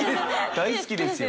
大好きですよ。